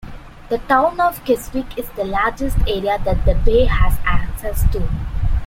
The town of Keswick is the largest area that the bay has access to.